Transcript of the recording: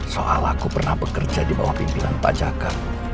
soal aku pernah bekerja di bawah pimpinan pak jaka